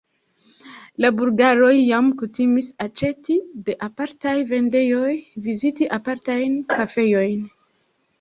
La bulgaroj jam kutimis aĉeti de apartaj vendejoj, viziti apartajn kafejojn.